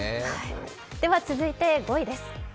続いて５位です。